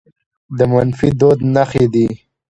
د منفي دود نښې دي